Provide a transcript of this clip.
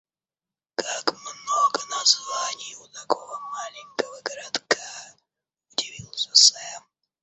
«Как много названий у такого маленького городка», — удивился Сэм.